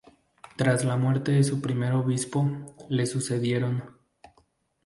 Tras la muerte de su primer obispo, le sucedieron